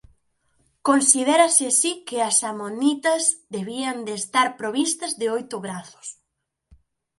Considérase así que as amonitas debían de estar provistas de oitos brazos.